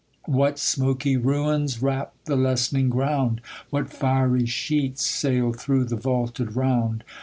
What smoky ruins wrap the lessening ground ! What fiery sheets sail through the vaulted round